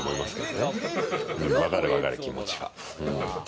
分かる分かる、気持ちは。